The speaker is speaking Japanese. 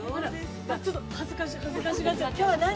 ◆ちょっと恥ずかしいかな。